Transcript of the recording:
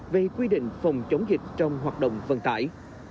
về quy định phòng chống dịch trong hoạt động vận tải